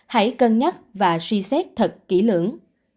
hãy cân nhắc và suy xét thật kỹ lưỡng